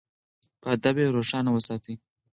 په ادب یې روښانه وساتئ.